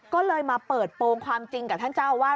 ก็เลยมาเปิดโปรงความจริงกับท่านเจ้าอาวาส